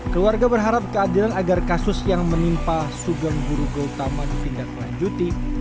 keluarga berharap keadilan agar kasus yang menimpa sugeng guru gautama ditindaklanjuti